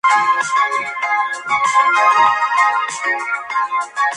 Estas láminas poseen una morfología vaga por lo que resultan especialmente sugerentes.